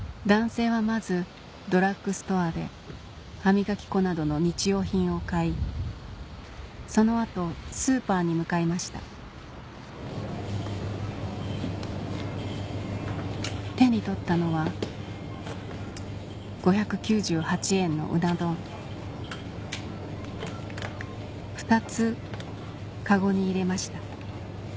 男性はまずドラッグストアで歯磨き粉などの日用品を買いその後スーパーに向かいました手に取ったのは５９８円のうな丼２つカゴに入れました